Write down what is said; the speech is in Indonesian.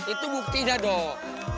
itu buktinya dong